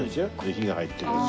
火が入ってるやつ。